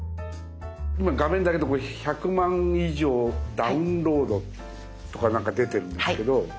今画面だけど１００万以上ダウンロードとかなんか出てるんですけど。